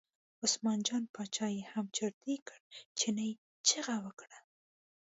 عثمان جان باچا یې هم چرتي کړ، چیني چغه وکړه.